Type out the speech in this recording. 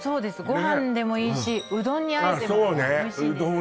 ご飯でもいいしうどんに和えてもおいしいです